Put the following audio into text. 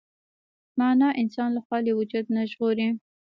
معنی انسان له خالي وجود نه ژغوري.